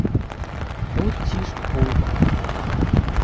І от ціш і бульба.